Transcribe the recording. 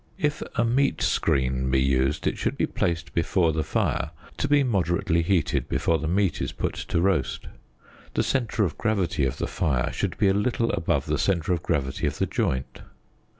If a meat screen be used, it should be placed before the fire to be moderately heated before the meat is put to roast. The centre of gravity of the fire should be a little above the centre of gravity of the joint.